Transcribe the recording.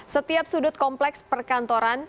setiap sudut kompleks perkantoran